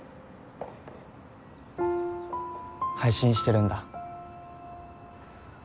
配信してるんだ。